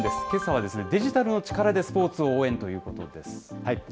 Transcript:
けさはですね、デジタルの力でスポーツを応援ということです。